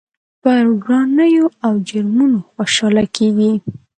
پر ورانيو او جرمونو خوشحاله کېږي.